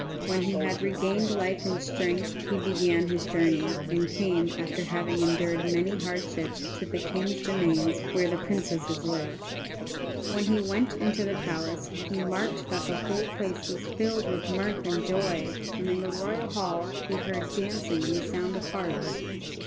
When he had regained life and strength, he began his journey, and came, after having endured many hardships, to the king's demesnes, where the princesses lived. When he went into the palace, he marked that the whole place was filled with mirth and joy, and in the royal hall he heard dancing and the sound of harps.